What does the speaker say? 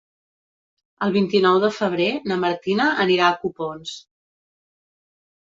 El vint-i-nou de febrer na Martina anirà a Copons.